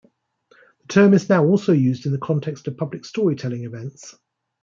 The term is now also used in the context of public storytelling events.